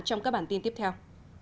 trong các bản tin tiếp theo